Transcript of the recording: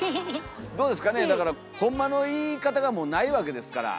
どうですかねだからほんまの言い方がないわけですから。